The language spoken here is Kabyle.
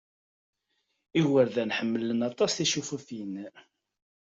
Igerdan ḥemmlen aṭas ticifufin.